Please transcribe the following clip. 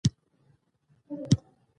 مشهوره قبیله یې د یبوسان په نامه وه.